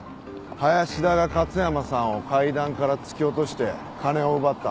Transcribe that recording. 林田が勝山さんを階段から突き落として金を奪った。